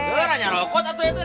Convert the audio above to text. nggak ranya rokok atu rete